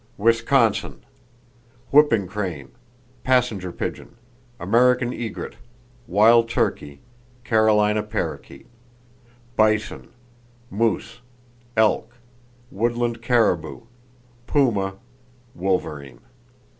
Wisconsin: Whooping crane, passenger pigeon, American egret, wild turkey, Carolina parrakeet; bison, moose, elk, woodland caribou, puma, wolverine.